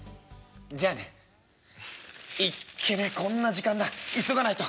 「じゃあね。いっけねこんな時間だ急がないと。